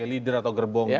lider atau gerbong